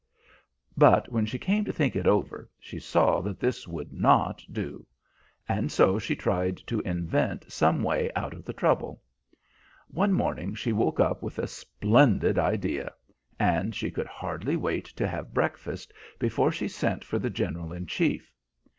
"But when she came to think it over, she saw that this would not do, and so she tried to invent some way out of the trouble. One morning she woke up with a splendid idea, and she could hardly wait to have breakfast before she sent for the General in Chief.